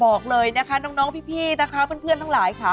บอกเลยนะคะน้องพี่นะคะเพื่อนทั้งหลายค่ะ